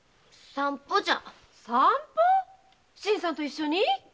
散歩新さんと一緒に？